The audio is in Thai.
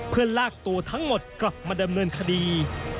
เพื่อลากตัวทั้งหมดกลับมาดำเนินคดี